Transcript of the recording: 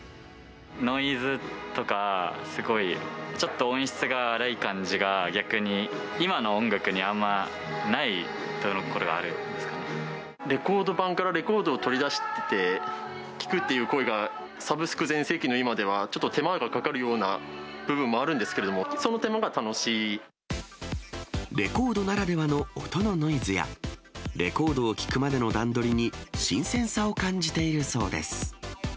ノイズとか、すごい、ちょっと音質があらい感じが逆に今の音楽にあんまないというのがレコード盤からレコードを取り出して聴くっていう行為が、サブスク全盛期の今では、ちょっと手間がかかるようなぶんかもあるんですけれども、その手レコードならではの音のノイズや、レコードを聴くまでの段取りに、新鮮さを感じているそうです。